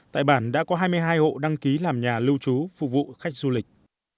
tại bản đã có hai mươi hai hộ đăng ký làm nhà lưu trú phục vụ khách du lịch